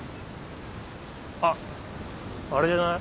あっあれじゃない？